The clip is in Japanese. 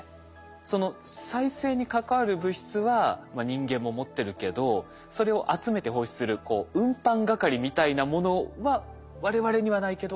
その再生に関わる物質は人間も持ってるけどそれを集めて放出する運搬係みたいなものは我々にはないけどイモリにはあるっていう。